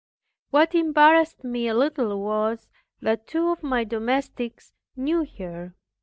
What embarrassed me a little was, that two of my domestics knew her.